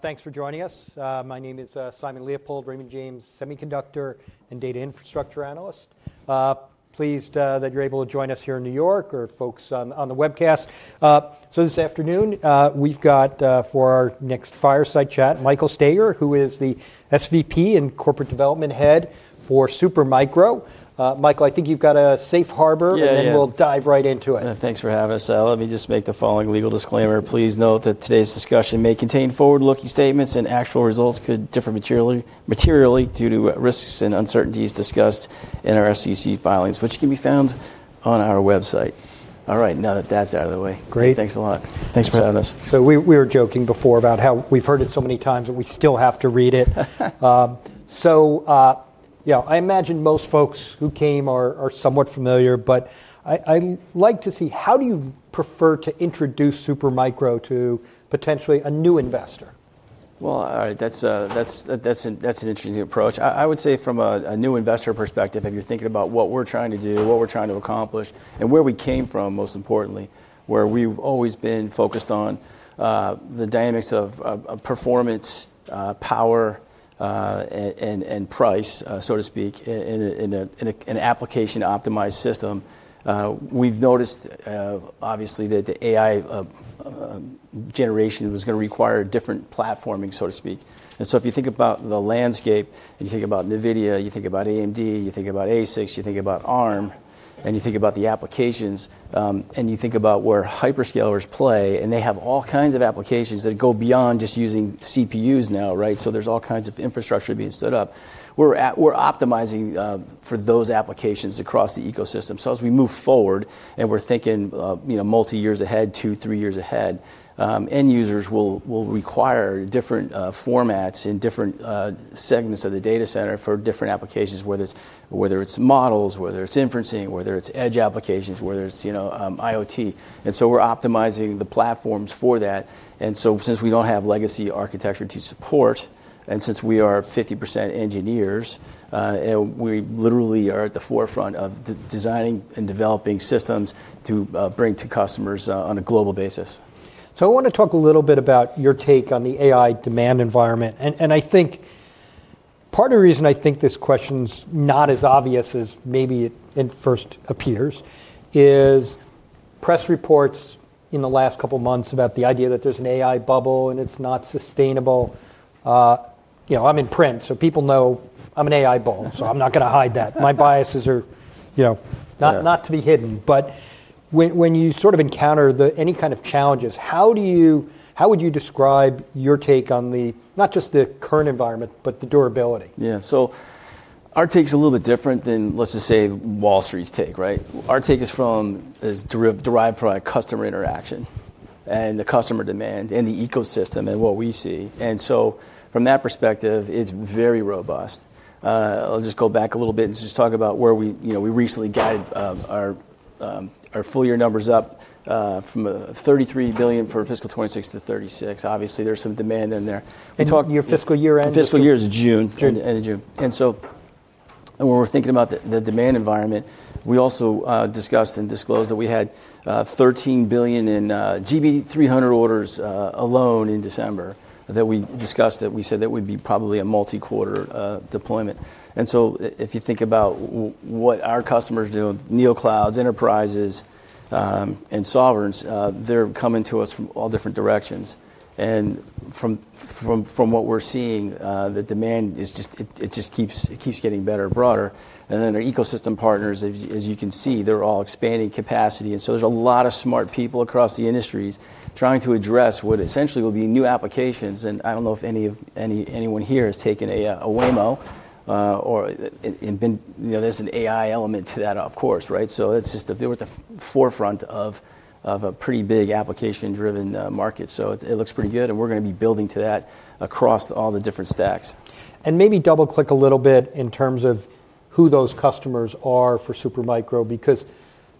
Thanks for joining us. My name is Simon Leopold, Raymond James Semiconductor and Data Infrastructure Analyst. Pleased that you're able to join us here in New York or folks on the webcast. This afternoon we've got for our next fireside chat, Michael Staiger, who is the SVP and Head of Corporate Development for Supermicro. Michael, I think you've got a Safe Harbor. Yeah. We'll dive right into it. Thanks for having us. Let me just make the following legal disclaimer. Please note that today's discussion may contain forward-looking statements and actual results could differ materially due to risks and uncertainties discussed in our SEC filings, which can be found on our website. All right, now that that's out of the way. Great. Thanks a lot. Thanks for having us. So we were joking before about how we've heard it so many times that we still have to read it. So I imagine most folks who came are somewhat familiar, but I'd like to see how do you prefer to introduce Supermicro to potentially a new investor? All right, that's an interesting approach. I would say from a new investor perspective, if you're thinking about what we're trying to do, what we're trying to accomplish, and where we came from, most importantly, where we've always been focused on the dynamics of performance, power, and price, so to speak, in an application-optimized system, we've noticed, obviously, that the AI generation was going to require different platforming, so to speak. So if you think about the landscape and you think about NVIDIA, you think about AMD, you think about ASICs, you think about Arm, and you think about the applications, and you think about where hyperscalers play, and they have all kinds of applications that go beyond just using CPUs now, right? So there's all kinds of infrastructure being stood up. We're optimizing for those applications across the ecosystem. As we move forward and we're thinking multi-years ahead, two, three years ahead, end users will require different formats in different segments of the data center for different applications, whether it's models, whether it's inferencing, whether it's edge applications, whether it's IoT. We're optimizing the platforms for that. Since we don't have legacy architecture to support, and since we are 50% engineers, we literally are at the forefront of designing and developing systems to bring to customers on a global basis. So I want to talk a little bit about your take on the AI demand environment. And I think part of the reason I think this question's not as obvious as maybe it first appears is press reports in the last couple of months about the idea that there's an AI bubble and it's not sustainable. I'm in print, so people know I'm an AI bull, so I'm not going to hide that. My biases are not to be hidden. But when you sort of encounter any kind of challenges, how would you describe your take on not just the current environment, but the durability? Yeah, so our take's a little bit different than, let's just say, Wall Street's take, right? Our take is derived from our customer interaction and the customer demand and the ecosystem and what we see. And so from that perspective, it's very robust. I'll just go back a little bit and just talk about where we recently guided our full year numbers up from $33 billion for fiscal 2026 to $36 billion. Obviously, there's some demand in there. Your fiscal year end? Fiscal year is June. June. End of June, and so when we're thinking about the demand environment, we also discussed and disclosed that we had $13 billion in GB200 orders alone in December that we discussed that we said that would be probably a multi-quarter deployment, and so if you think about what our customers do, NeoClouds, enterprises, and sovereigns, they're coming to us from all different directions, and from what we're seeing, the demand just keeps getting better and broader, and then our ecosystem partners, as you can see, they're all expanding capacity, and so there's a lot of smart people across the industries trying to address what essentially will be new applications, and I don't know if anyone here has taken a Waymo or there's an AI element to that, of course, right, so it's just that we're at the forefront of a pretty big application-driven market. So it looks pretty good, and we're going to be building to that across all the different stacks. And maybe double-click a little bit in terms of who those customers are for Supermicro, because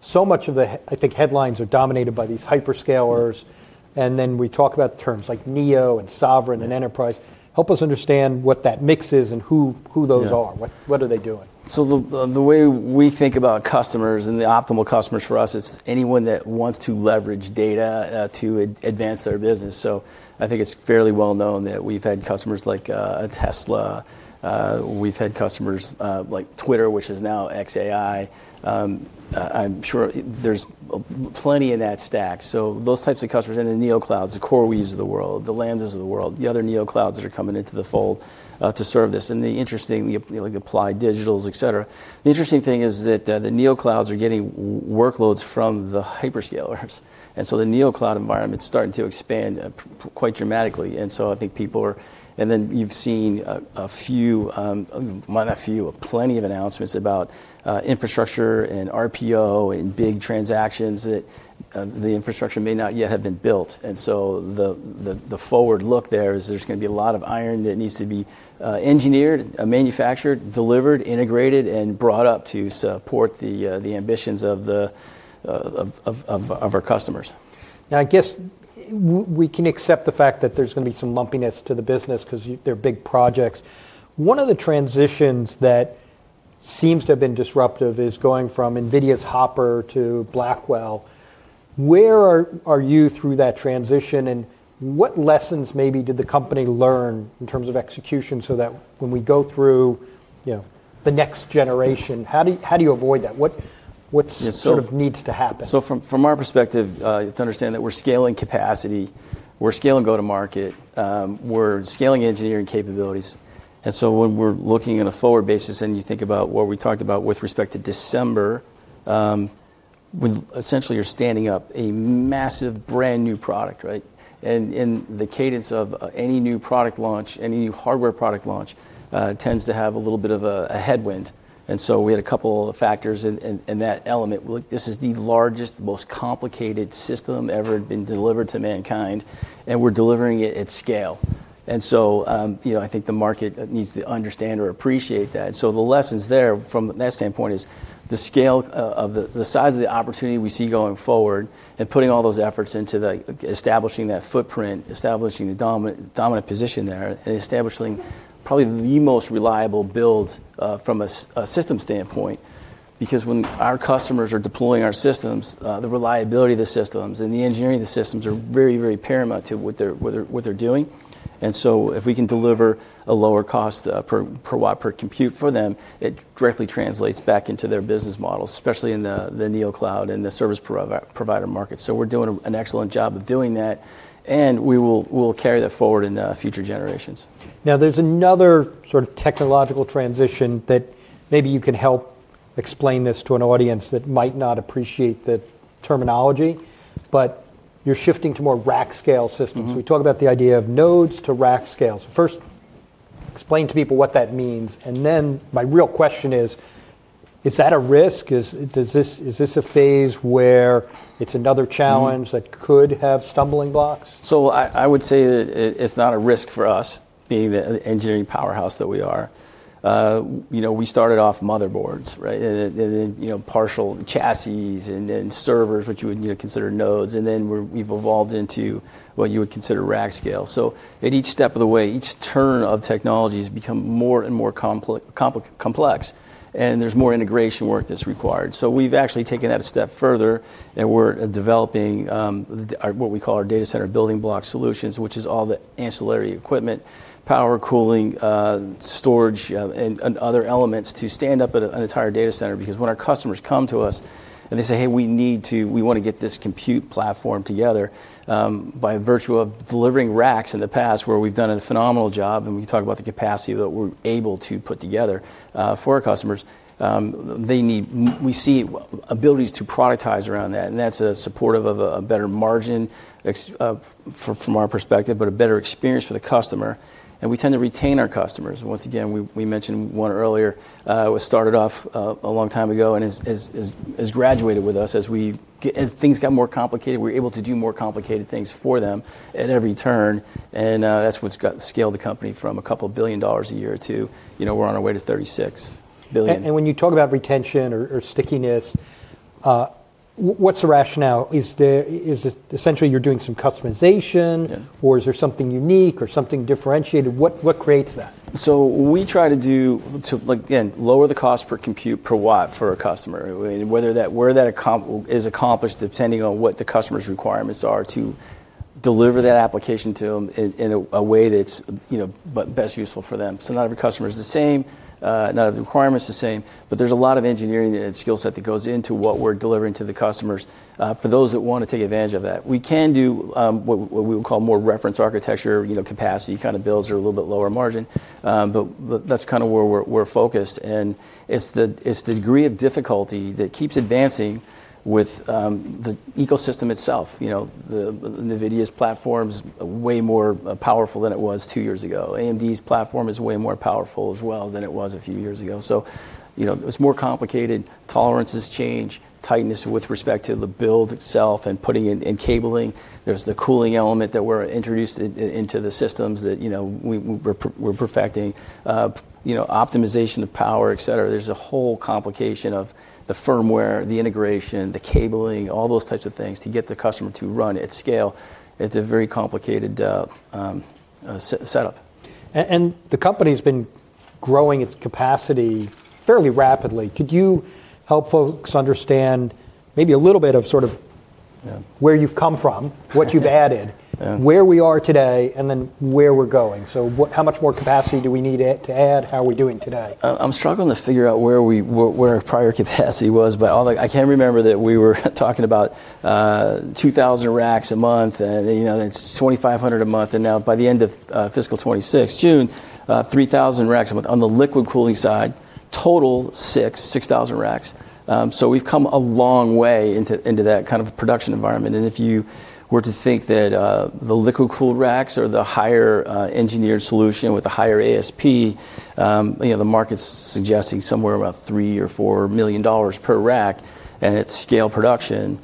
so much of the, I think, headlines are dominated by these hyperscalers. And then we talk about terms like Neo and sovereign and enterprise. Help us understand what that mix is and who those are. What are they doing? So the way we think about customers and the optimal customers for us is anyone that wants to leverage data to advance their business. So I think it's fairly well known that we've had customers like Tesla. We've had customers like Twitter, which is now xAI. I'm sure there's plenty in that stack. So those types of customers and the NeoClouds, the CoreWeave of the world, the Lambdas of the world, the other NeoClouds that are coming into the fold to serve this. And the interesting, like the Applied Digital, et cetera. The interesting thing is that the NeoClouds are getting workloads from the hyperscalers. And so the NeoCloud environment's starting to expand quite dramatically. And so I think people are, and then you've seen a few, well, not a few, but plenty of announcements about infrastructure and RPO and big transactions that the infrastructure may not yet have been built. And so the forward look there is there's going to be a lot of iron that needs to be engineered, manufactured, delivered, integrated, and brought up to support the ambitions of our customers. Now, I guess we can accept the fact that there's going to be some lumpiness to the business because they're big projects. One of the transitions that seems to have been disruptive is going from NVIDIA's Hopper to Blackwell. Where are you through that transition, and what lessons maybe did the company learn in terms of execution so that when we go through the next generation, how do you avoid that? What sort of needs to happen? From our perspective, to understand that we're scaling capacity, we're scaling go-to-market, we're scaling engineering capabilities. When we're looking on a forward basis and you think about what we talked about with respect to December, essentially you're standing up a massive brand new product, right? The cadence of any new product launch, any new hardware product launch tends to have a little bit of a headwind. We had a couple of factors in that element. This is the largest, most complicated system ever been delivered to mankind, and we're delivering it at scale. The market needs to understand or appreciate that. And so the lessons there from that standpoint is the scale of the size of the opportunity we see going forward and putting all those efforts into establishing that footprint, establishing the dominant position there, and establishing probably the most reliable build from a system standpoint. Because when our customers are deploying our systems, the reliability of the systems and the engineering of the systems are very, very paramount to what they're doing. And so if we can deliver a lower cost per watt per compute for them, it directly translates back into their business models, especially in the NeoCloud and the service provider market. So we're doing an excellent job of doing that, and we will carry that forward in future generations. Now, there's another sort of technological transition that maybe you can help explain this to an audience that might not appreciate the terminology, but you're shifting to more rack-scale systems. We talk about the idea of nodes to rack-scales. First, explain to people what that means. And then my real question is, is that a risk? Is this a phase where it's another challenge that could have stumbling blocks? So I would say that it's not a risk for us, being the engineering powerhouse that we are. We started off motherboards, right? And then partial chassis and then servers, which you would consider nodes. And then we've evolved into what you would consider rack-scale. So at each step of the way, each turn of technology has become more and more complex, and there's more integration work that's required. So we've actually taken that a step further, and we're developing what we call our Data Center Building Block Solutions, which is all the ancillary equipment, power, cooling, storage, and other elements to stand up an entire data center. Because when our customers come to us and they say, "Hey, we need to, we want to get this compute platform together by virtue of delivering racks in the past," where we've done a phenomenal job, and we talk about the capacity that we're able to put together for our customers, we see abilities to productize around that. And that's supportive of a better margin from our perspective, but a better experience for the customer. And we tend to retain our customers. And once again, we mentioned one earlier, it was started off a long time ago and has graduated with us. As things got more complicated, we're able to do more complicated things for them at every turn. And that's what's scaled the company from $2 billion a year to we're on our way to $36 billion. And when you talk about retention or stickiness, what's the rationale? Is it essentially you're doing some customization, or is there something unique or something differentiated? What creates that? So we try to do, again, lower the cost per compute per watt for a customer, whether that is accomplished depending on what the customer's requirements are to deliver that application to them in a way that's best useful for them. So not every customer is the same, not every requirement's the same, but there's a lot of engineering and skill set that goes into what we're delivering to the customers for those that want to take advantage of that. We can do what we will call more reference architecture capacity kind of builds that are a little bit lower margin, but that's kind of where we're focused. And it's the degree of difficulty that keeps advancing with the ecosystem itself. NVIDIA's platform's way more powerful than it was two years ago. AMD's platform is way more powerful as well than it was a few years ago. So it's more complicated. Tolerances change, tightness with respect to the build itself and putting in cabling. There's the cooling element that we're introducing into the systems that we're perfecting, optimization of power, et cetera. There's a whole complication of the firmware, the integration, the cabling, all those types of things to get the customer to run at scale. It's a very complicated setup. The company's been growing its capacity fairly rapidly. Could you help folks understand maybe a little bit of sort of where you've come from, what you've added, where we are today, and then where we're going? How much more capacity do we need to add? How are we doing today? I'm struggling to figure out where our prior capacity was, but I can remember that we were talking about 2,000 racks a month, and it's 2,500 a month. And now by the end of fiscal 2026, June, 3,000 racks a month on the liquid cooling side, total 6,000 racks. So we've come a long way into that kind of production environment. And if you were to think that the liquid-cooled racks or the higher engineered solution with the higher ASP, the market's suggesting somewhere around $3 million-$4 million per rack, and it's scale production,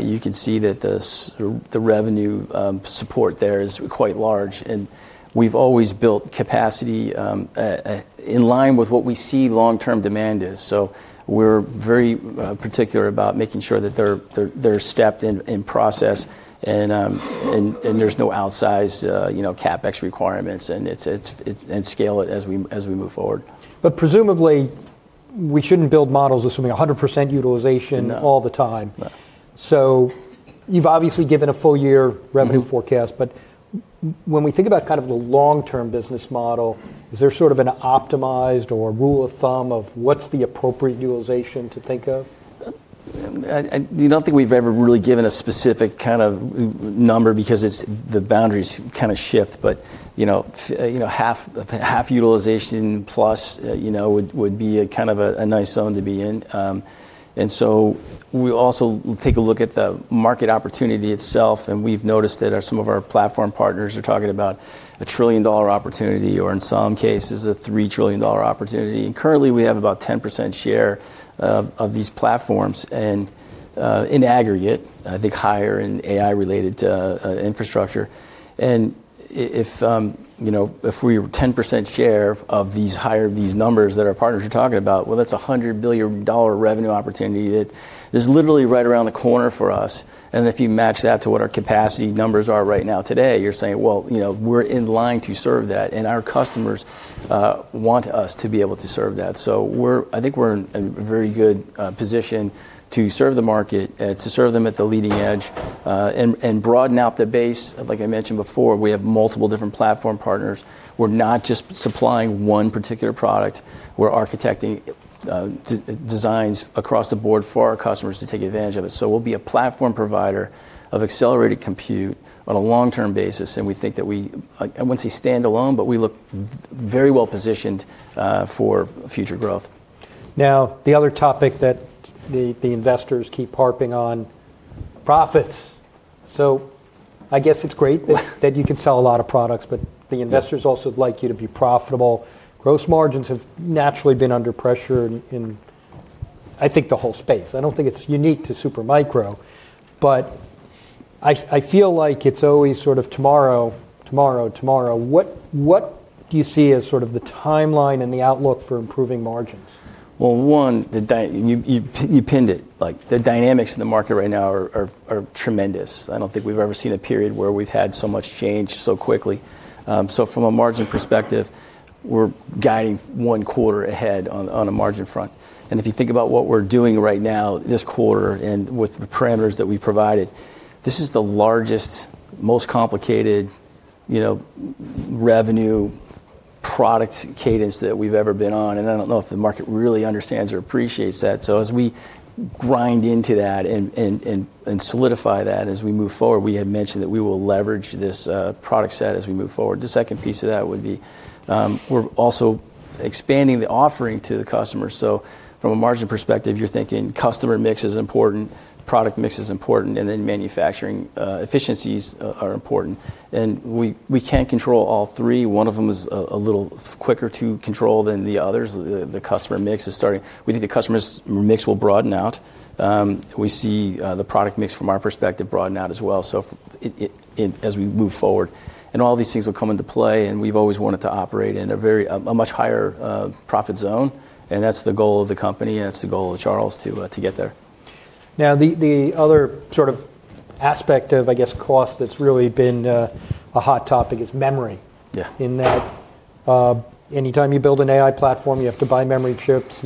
you can see that the revenue support there is quite large. And we've always built capacity in line with what we see long-term demand is. So we're very particular about making sure that they're stepped in process, and there's no outsized CapEx requirements, and scale it as we move forward. Presumably, we shouldn't build models assuming 100% utilization all the time. You've obviously given a full year revenue forecast, but when we think about kind of the long-term business model, is there sort of an optimized or rule of thumb of what's the appropriate utilization to think of? I don't think we've ever really given a specific kind of number because the boundaries kind of shift, but half utilization plus would be kind of a nice zone to be in. And so we also take a look at the market opportunity itself, and we've noticed that some of our platform partners are talking about a $1 trillion opportunity or in some cases a $3 trillion opportunity. And currently, we have about 10% share of these platforms in aggregate, I think higher in AI-related infrastructure. And if we were 10% share of these higher numbers that our partners are talking about, well, that's a $100 billion revenue opportunity that is literally right around the corner for us. If you match that to what our capacity numbers are right now today, you're saying, well, we're in line to serve that, and our customers want us to be able to serve that. So I think we're in a very good position to serve the market, to serve them at the leading edge, and broaden out the base. Like I mentioned before, we have multiple different platform partners. We're not just supplying one particular product. We're architecting designs across the board for our customers to take advantage of it. So we'll be a platform provider of accelerated compute on a long-term basis, and we think that I wouldn't say stand alone, but we look very well positioned for future growth. Now, the other topic that the investors keep harping on, profits. So I guess it's great that you can sell a lot of products, but the investors also would like you to be profitable. Gross margins have naturally been under pressure in, I think, the whole space. I don't think it's unique to Supermicro, but I feel like it's always sort of tomorrow, tomorrow, tomorrow. What do you see as sort of the timeline and the outlook for improving margins? One, you pinned it. The dynamics in the market right now are tremendous. I don't think we've ever seen a period where we've had so much change so quickly. From a margin perspective, we're guiding one quarter ahead on a margin front. If you think about what we're doing right now this quarter and with the parameters that we provided, this is the largest, most complicated revenue product cadence that we've ever been on. I don't know if the market really understands or appreciates that. As we grind into that and solidify that as we move forward, we had mentioned that we will leverage this product set as we move forward. The second piece of that would be we're also expanding the offering to the customers. From a margin perspective, you're thinking customer mix is important, product mix is important, and then manufacturing efficiencies are important. And we can't control all three. One of them is a little quicker to control than the others. The customer mix is starting. We think the customer's mix will broaden out. We see the product mix from our perspective broaden out as well as we move forward. And all these things will come into play, and we've always wanted to operate in a much higher profit zone. And that's the goal of the company, and that's the goal of to get there. Now, the other sort of aspect of, I guess, cost that's really been a hot topic is memory. In that anytime you build an AI platform, you have to buy memory chips,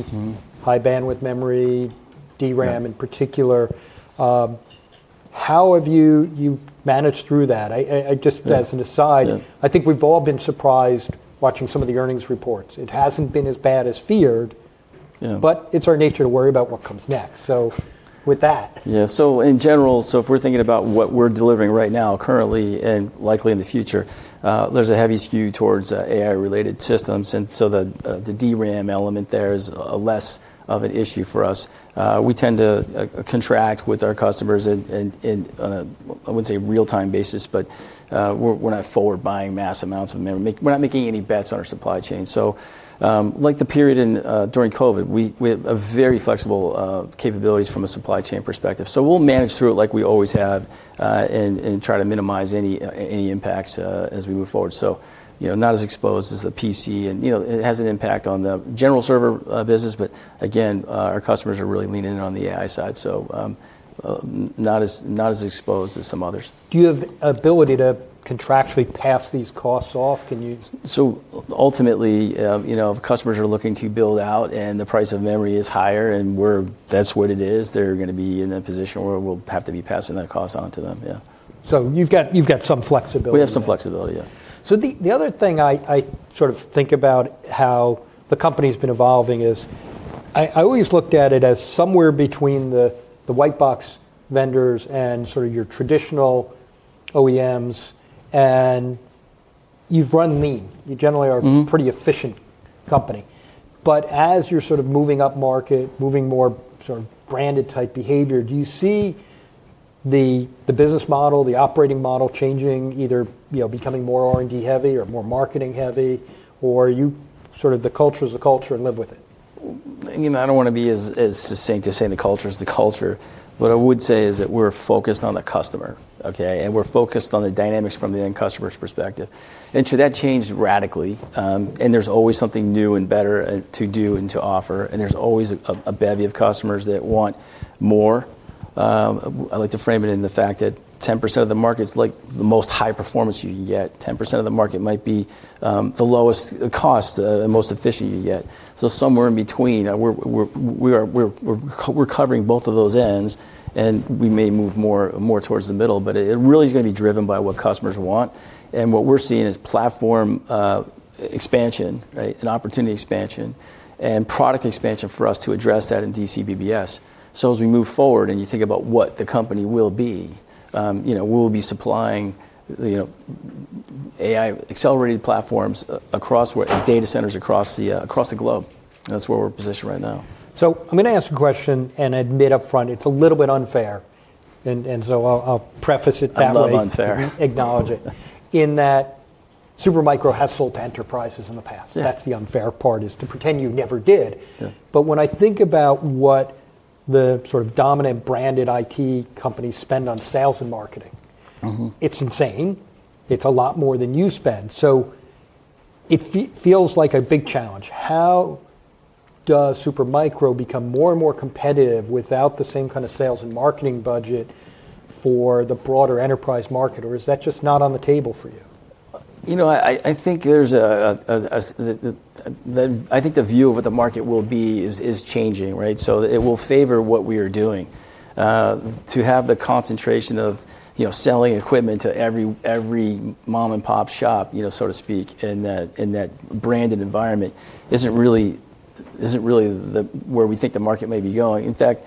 High Bandwidth Memory, DRAM in particular. How have you managed through that? Just as an aside, I think we've all been surprised watching some of the earnings reports. It hasn't been as bad as feared, but it's our nature to worry about what comes next. So with that. Yeah. So in general, if we're thinking about what we're delivering right now, currently, and likely in the future, there's a heavy skew towards AI-related systems. And so the DRAM element there is less of an issue for us. We tend to contract with our customers on a, I wouldn't say real-time basis, but we're not forward buying mass amounts of memory. We're not making any bets on our supply chain. So like the period during COVID, we have very flexible capabilities from a supply chain perspective. So we'll manage through it like we always have and try to minimize any impacts as we move forward. So not as exposed as the PC, and it has an impact on the general server business, but again, our customers are really leaning in on the AI side. So not as exposed as some others. Do you have ability to contractually pass these costs off? Ultimately, if customers are looking to build out and the price of memory is higher and that's what it is, they're going to be in a position where we'll have to be passing that cost onto them. Yeah. So you've got some flexibility. We have some flexibility. Yeah. So the other thing I sort of think about how the company's been evolving is I always looked at it as somewhere between the white-box vendors and sort of your traditional OEMs, and you've run lean. You generally are a pretty efficient company. But as you're sort of moving up market, moving more sort of branded type behavior, do you see the business model, the operating model changing, either becoming more R&D heavy or more marketing heavy, or are you sort of the culture's the culture and live with it? I don't want to be as succinct as saying the culture's the culture, but I would say is that we're focused on the customer, okay, and we're focused on the dynamics from the end customer's perspective, and so that changed radically, and there's always something new and better to do and to offer, and there's always a bevy of customers that want more. I like to frame it in the fact that 10% of the market's like the most high performance you can get. 10% of the market might be the lowest cost, the most efficient you get, so somewhere in between, we're covering both of those ends, and we may move more towards the middle, but it really is going to be driven by what customers want, and what we're seeing is platform expansion, right, and opportunity expansion and product expansion for us to address that in DCBBS. So as we move forward and you think about what the company will be, we'll be supplying AI-accelerated platforms across data centers across the globe. That's where we're positioned right now. So I'm going to ask a question and admit upfront, it's a little bit unfair. And so I'll preface it that way. I love unfair. Acknowledge it. In that Supermicro has sold to enterprises in the past. That's the unfair part is to pretend you never did. But when I think about what the sort of dominant branded IT companies spend on sales and marketing, it's insane. It's a lot more than you spend. So it feels like a big challenge. How does Supermicro become more and more competitive without the same kind of sales and marketing budget for the broader enterprise market, or is that just not on the table for you? You know, I think the view of what the market will be is changing, right? So it will favor what we are doing. To have the concentration of selling equipment to every mom and pop shop, so to speak, in that branded environment isn't really where we think the market may be going. In fact,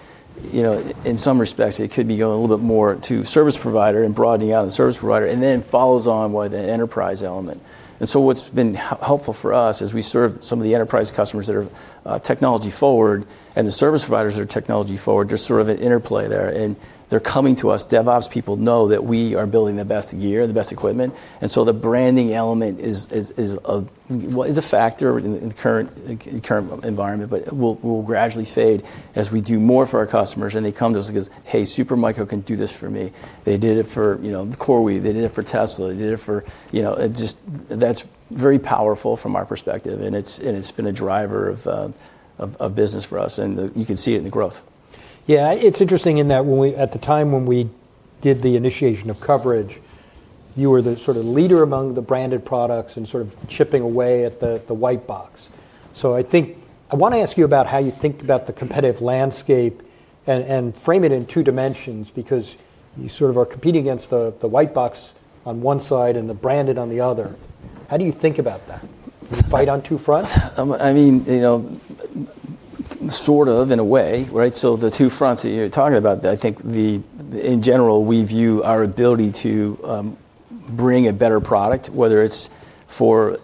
in some respects, it could be going a little bit more to service provider and broadening out of the service provider, and then follows on with an enterprise element. And so what's been helpful for us as we serve some of the enterprise customers that are technology forward and the service providers that are technology forward, there's sort of an interplay there. And they're coming to us. DevOps people know that we are building the best gear, the best equipment. And so the branding element is a factor in the current environment, but it will gradually fade as we do more for our customers. And they come to us and go, "Hey, Supermicro can do this for me." They did it for CoreWeave. They did it for Tesla. They did it for just that's very powerful from our perspective. And it's been a driver of business for us. And you can see it in the growth. Yeah. It's interesting in that at the time when we did the initiation of coverage, you were the sort of leader among the branded products and sort of chipping away at the white box. So I think I want to ask you about how you think about the competitive landscape and frame it in two dimensions because you sort of are competing against the white box on one side and the branded on the other. How do you think about that? Is it fight on two fronts? I mean, sort of in a way, right? So the two fronts that you're talking about, I think in general, we view our ability to bring a better product, whether it's for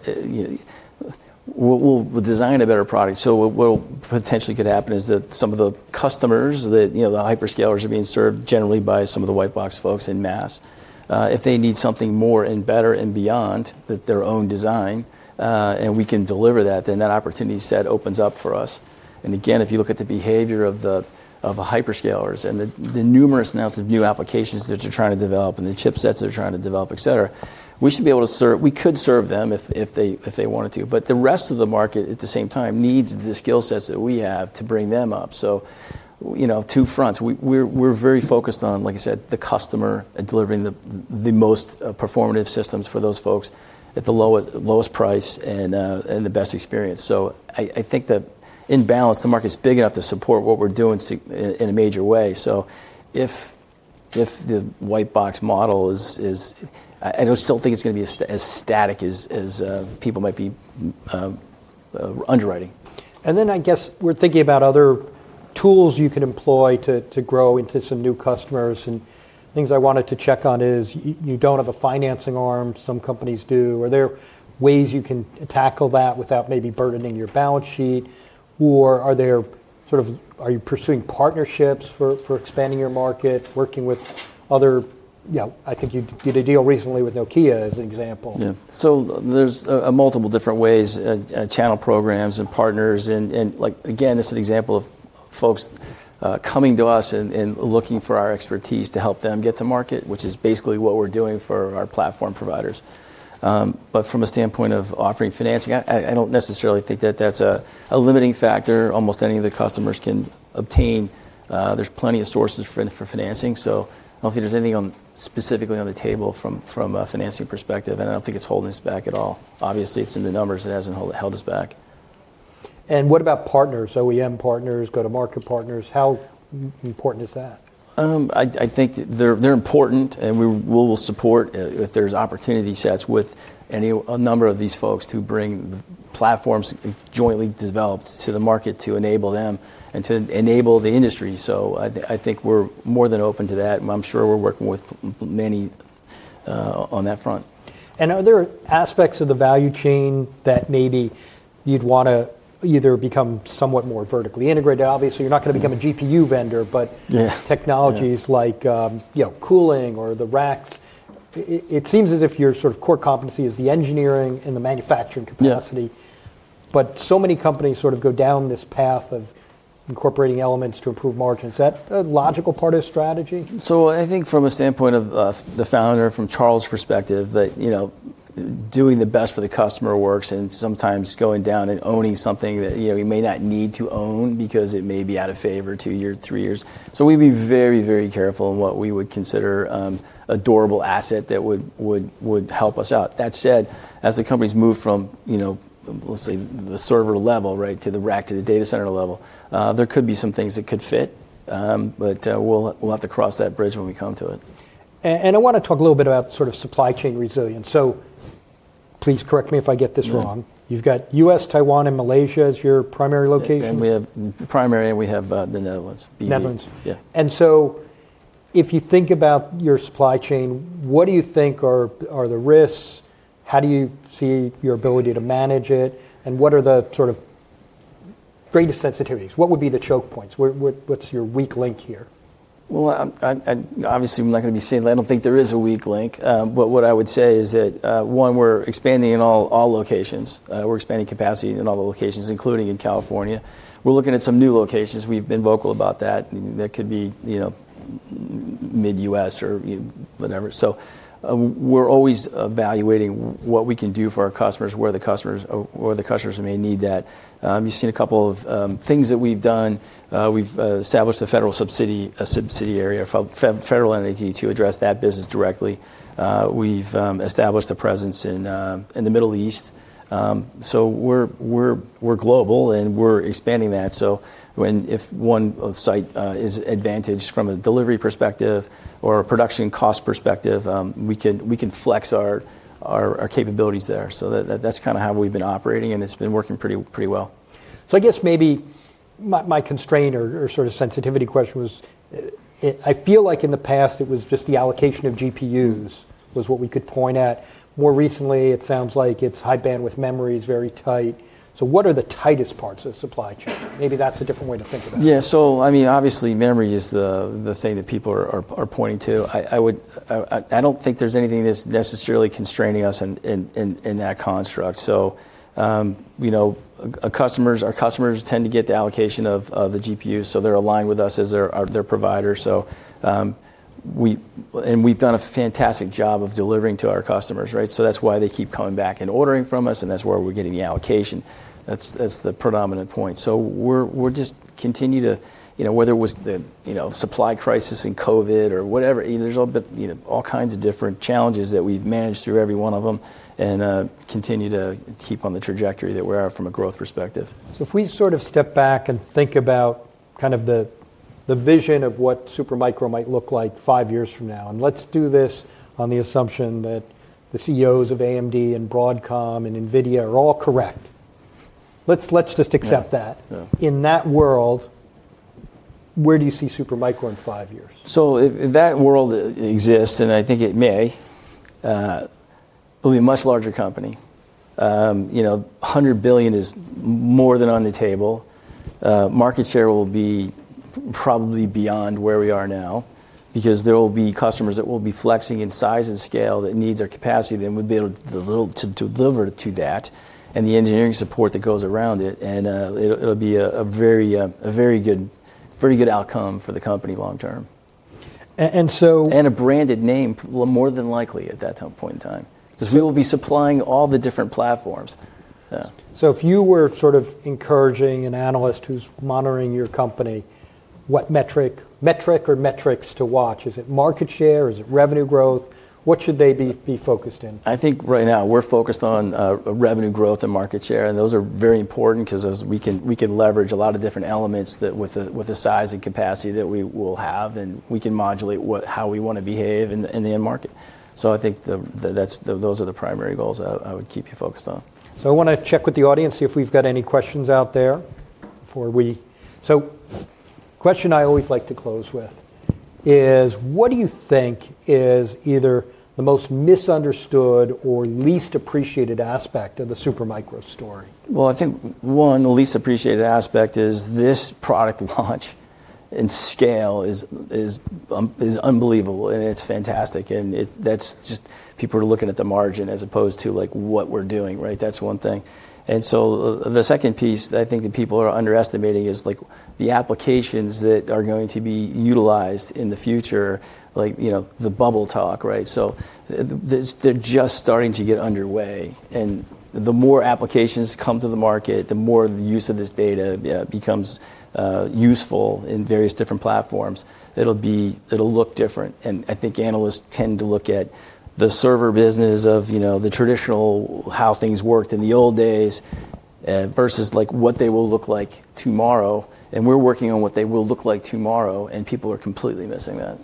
we'll design a better product. So what will potentially could happen is that some of the customers, the hyperscalers are being served generally by some of the white box folks en masse. If they need something more and better and beyond their own design, and we can deliver that, then that opportunity set opens up for us. And again, if you look at the behavior of the hyperscalers and the numerous amounts of new applications that they're trying to develop and the chipsets they're trying to develop, et cetera, we should be able to serve we could serve them if they wanted to. But the rest of the market, at the same time, needs the skill sets that we have to bring them up. So two fronts. We're very focused on, like I said, the customer and delivering the most performative systems for those folks at the lowest price and the best experience. So I think that, in balance, the market's big enough to support what we're doing in a major way. So if the white box model is, I don't still think it's going to be as static as people might be underwriting. And then I guess we're thinking about other tools you can employ to grow into some new customers. And things I wanted to check on is you don't have a financing arm. Some companies do. Are there ways you can tackle that without maybe burdening your balance sheet? Or are there sort of you pursuing partnerships for expanding your market, working with other, yeah, I think you did a deal recently with Nokia as an example. Yeah. So there's multiple different ways, channel programs and partners. And again, it's an example of folks coming to us and looking for our expertise to help them get to market, which is basically what we're doing for our platform providers. But from a standpoint of offering financing, I don't necessarily think that that's a limiting factor. Almost any of the customers can obtain. There's plenty of sources for financing. So I don't think there's anything specifically on the table from a financing perspective. And I don't think it's holding us back at all. Obviously, it's in the numbers that hasn't held us back. What about partners, OEM partners, go-to-market partners? How important is that? I think they're important, and we will support if there's opportunity sets with any number of these folks to bring platforms jointly developed to the market to enable them and to enable the industry. So I think we're more than open to that. And I'm sure we're working with many on that front. Are there aspects of the value chain that maybe you'd want to either become somewhat more vertically integrated? Obviously, you're not going to become a GPU vendor, but technologies like cooling or the racks. It seems as if your sort of core competency is the engineering and the manufacturing capacity. But so many companies sort of go down this path of incorporating elements to improve margins. Is that a logical part of strategy? So I think from a standpoint of the founder, from Charles' perspective, that doing the best for the customer works and sometimes going down and owning something that you may not need to own because it may be out of favor two years, three years. So we'd be very, very careful in what we would consider a durable asset that would help us out. That said, as the companies move from, let's say, the server level, right, to the rack to the data center level, there could be some things that could fit. But we'll have to cross that bridge when we come to it. I want to talk a little bit about sort of supply chain resilience. Please correct me if I get this wrong. You've got U.S., Taiwan, and Malaysia as your primary locations. We have primary, and we have the Netherlands. Netherlands. Yeah. And so if you think about your supply chain, what do you think are the risks? How do you see your ability to manage it? And what are the sort of greatest sensitivities? What would be the choke points? What's your weak link here? Obviously, I'm not going to be saying that. I don't think there is a weak link. But what I would say is that, one, we're expanding in all locations. We're expanding capacity in all the locations, including in California. We're looking at some new locations. We've been vocal about that. That could be mid-U.S. or whatever. So we're always evaluating what we can do for our customers, where the customers may need that. You've seen a couple of things that we've done. We've established a federal subsidiary or federal entity to address that business directly. We've established a presence in the Middle East. So we're global, and we're expanding that. So if one site is advantaged from a delivery perspective or a production cost perspective, we can flex our capabilities there. So that's kind of how we've been operating, and it's been working pretty well. So, I guess maybe my constraint or sort of sensitivity question was, I feel like in the past, it was just the allocation of GPUs was what we could point at. More recently, it sounds like it's high-bandwidth memory is very tight. So what are the tightest parts of the supply chain? Maybe that's a different way to think about it. Yeah. So I mean, obviously, memory is the thing that people are pointing to. I don't think there's anything that's necessarily constraining us in that construct. So our customers tend to get the allocation of the GPUs. So they're aligned with us as their provider. And we've done a fantastic job of delivering to our customers, right? So that's why they keep coming back and ordering from us, and that's where we're getting the allocation. That's the predominant point. So we'll just continue to, whether it was the supply crisis and COVID or whatever, there's all kinds of different challenges that we've managed through every one of them and continue to keep on the trajectory that we're at from a growth perspective. So if we sort of step back and think about kind of the vision of what Supermicro might look like five years from now, and let's do this on the assumption that the CEOs of AMD and Broadcom and NVIDIA are all correct. Let's just accept that. In that world, where do you see Supermicro in five years? So if that world exists, and I think it may, it'll be a much larger company. $100 billion is more than on the table. Market share will be probably beyond where we are now because there will be customers that will be flexing in size and scale that needs our capacity that we'll be able to deliver to that and the engineering support that goes around it, and it'll be a very good outcome for the company long term. And so. A branded name more than likely at that point in time because we will be supplying all the different platforms. So if you were sort of encouraging an analyst who's monitoring your company, what metric or metrics to watch? Is it market share? Is it revenue growth? What should they be focused in? I think right now we're focused on revenue growth and market share, and those are very important because we can leverage a lot of different elements with the size and capacity that we will have, and we can modulate how we want to behave in the end market, so I think those are the primary goals I would keep you focused on. I want to check with the audience if we've got any questions out there before we. A question I always like to close with is what do you think is either the most misunderstood or least appreciated aspect of the Supermicro story? I think one of the least appreciated aspects is this product launch and scale is unbelievable, and it's fantastic. That's just people are looking at the margin as opposed to what we're doing, right? That's one thing. So the second piece that I think that people are underestimating is the applications that are going to be utilized in the future, like the bubble talk, right? So they're just starting to get underway. The more applications come to the market, the more the use of this data becomes useful in various different platforms. It'll look different. I think analysts tend to look at the server business of the traditional how things worked in the old days versus what they will look like tomorrow. We're working on what they will look like tomorrow, and people are completely missing that.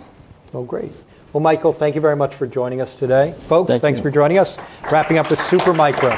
Great. Michael, thank you very much for joining us today. Folks, thanks for joining us. Wrapping up with Supermicro.